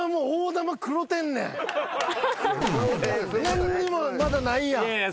何にもまだないやん。